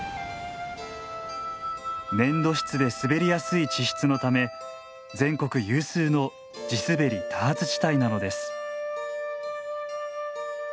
粘土質で滑りやすい地質のため全国有数の地滑り多発地帯なのです。